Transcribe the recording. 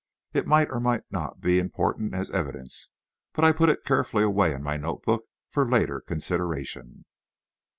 It might or might not be important as evidence, but I put it carefully away in my note book for later consideration.